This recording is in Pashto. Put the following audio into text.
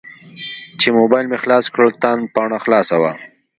چې موبایل مې خلاص کړ تاند پاڼه خلاصه وه.